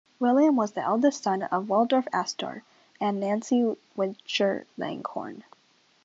William was the eldest son of Waldorf Astor and Nancy Witcher Langhorne.